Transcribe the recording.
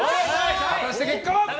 果たして結果は？